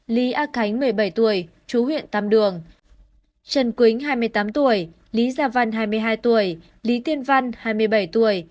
lý á khánh một mươi bảy tuổi chú huyện tăm đường trần quỳnh hai mươi tám tuổi lý gia văn hai mươi hai tuổi lý tiên văn hai mươi bảy tuổi